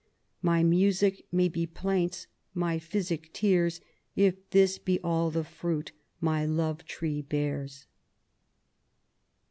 My music may be plaints, my physic tears If this be all the fruit my love tree bears.